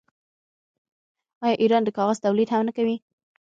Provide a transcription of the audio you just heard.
آیا ایران د کاغذ تولید هم نه کوي؟